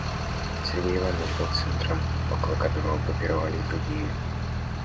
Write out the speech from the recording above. Сергей Иванович был центром, около которого группировались другие.